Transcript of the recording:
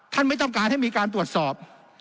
ไม่ต้องการให้มีการตรวจสอบ